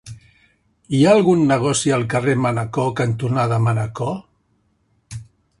Hi ha algun negoci al carrer Manacor cantonada Manacor?